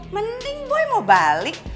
mending boy mau balik